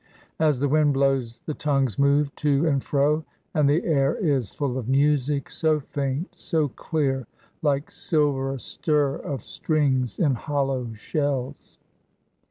As the wind blows the tongues move to and fro, and the air is full of music, so faint, so clear, like 'silver stir of strings in hollow shells.'